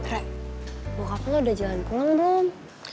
rev bokap lo udah jalan pulang belum